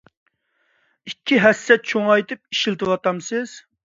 ئىككى ھەسسە چوڭايتىپ ئىشلىتىۋاتامسىز؟